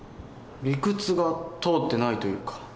理屈が通ってないというか。